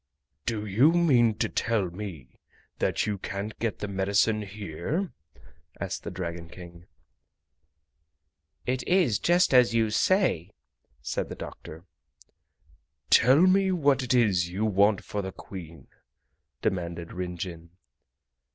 "Do you mean to tell me that you can't get the medicine here?" asked the Dragon King. "It is just as you say!" said the doctor. "Tell me what it is you want for the Queen?" demanded Rin Jin.